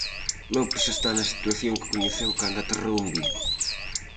López está na situación que coñeceu cando aterrou en Vigo.